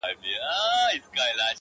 چي په تېښته کي چالاک لکه ماهى وو!.